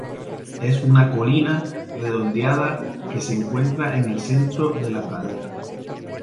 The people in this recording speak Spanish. Es una colina redondeada que se encuentra en el centro de la pradera.